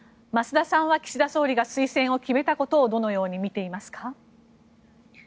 増田さんは岸田総理が推薦を決めたことをどのように見ていますか？